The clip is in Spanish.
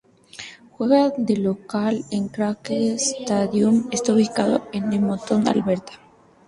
Juega de local en el Clarke Stadium, está ubicado en Edmonton, Alberta.